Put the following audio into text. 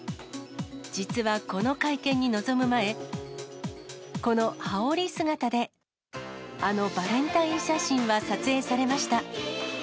実はこの会見に臨む前、この羽織姿であのバレンタイン写真は撮影されました。